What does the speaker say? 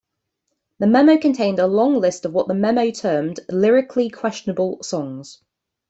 The memo contained a long list of what the memo termed "lyrically questionable" songs.